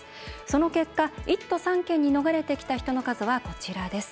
その結果、１都３県に逃れてきた人の数はこちらです。